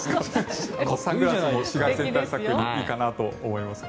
紫外線対策にいいかなと思います。